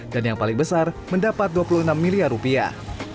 dan yang paling besar mendapat dua puluh enam miliar rupiah